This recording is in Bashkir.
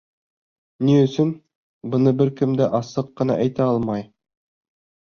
Ни өсөн, быны бер кем дә асыҡ ҡына әйтә алмай.